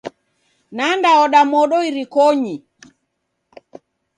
Nandaoda modo irikonyi.